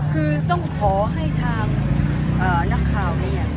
คือต้องขอให้ทางนักข่าวเนี่ย